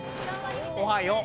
おはよう。